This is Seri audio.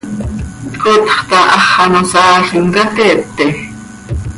tcotxta, hax ano saalim ca teete.